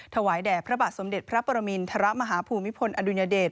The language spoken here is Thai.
ถวายแด่พระบาทสมเด็จพระปรมิลธระมหาภูมิพลอโดยเงด